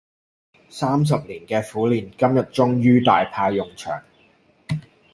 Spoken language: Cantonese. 三十年嘅苦練，今日終於大派用場